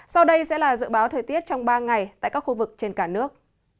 sau đây sẽ là dự báo thời tiết trong ba ngày tại các khu vực trên cả nước